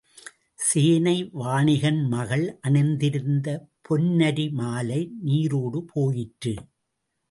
சேனை வாணிகன் மகள் அணிந்திருந்த பொன்னரி மாலை நீரோடு போயிற்று.